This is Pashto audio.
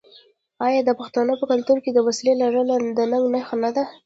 آیا د پښتنو په کلتور کې د وسلې لرل د ننګ نښه نه ده؟